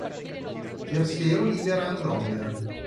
Perseo libera Andromeda